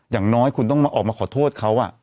อย่างน้อยคุณต้องมาออกมาขอโทษเขา